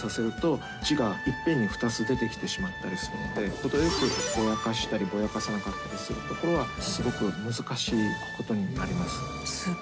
程よくぼやかしたりぼやかさなかったりするところはすごく難しいことになります。